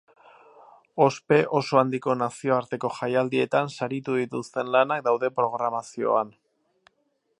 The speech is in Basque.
Ospe oso handiko nazioarteko jaialdietan saritu dituzten lanak daude programazioan.